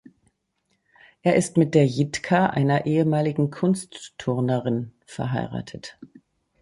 Er ist mit der Jitka, einer ehemaligen Kunstturnerin, verheiratet.